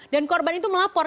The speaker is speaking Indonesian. dan korban itu melapor